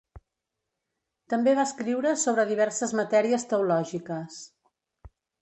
També va escriure sobre diverses matèries teològiques.